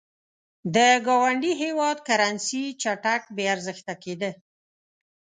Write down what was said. د ګاونډي هېواد کرنسي چټک بې ارزښته کېده.